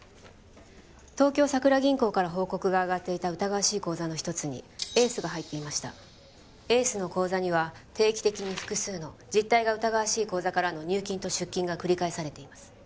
東京さくら銀行から報告が上がっていた疑わしい口座の一つにＡＣＥが入っていましたＡＣＥの口座には定期的に複数の実体が疑わしい口座からの入金と出金が繰り返されています